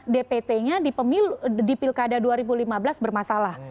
dpt nya di pilkada dua ribu lima belas bermasalah